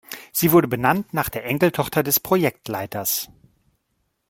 Sie wurde benannt nach der Enkeltochter des Projektleiters.